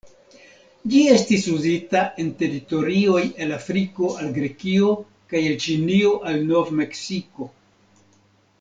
Ĝi estis uzita en teritorioj el Afriko al Grekio kaj el Ĉinio al Nov-Meksiko.